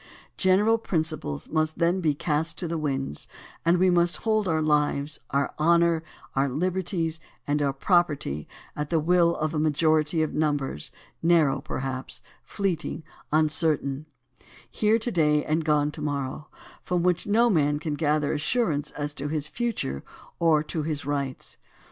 General principles must then be cast to the winds, and we must hold our lives, our honor, our liberties, and our property at the will of a majority of numbers, narrow perhaps, fleeting, uncer tain; here to day and gone to morrow, from which no man can gather assurance as to his future or as to his rights.